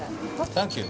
サンキュー。